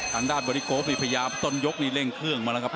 ทางด้านบริโกนี่พยายามต้นยกนี่เร่งเครื่องมาแล้วครับ